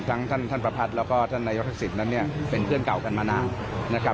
ทั้งท่านประพัทธิ์แล้วก็ท่านนายทักศิษย์นั้นเป็นเพื่อนเก่ากันมานาน